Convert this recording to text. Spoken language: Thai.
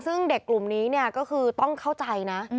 ซึ่งเด็กกลุ่มนี้เนี่ยก็คือต้องเข้าใจนะ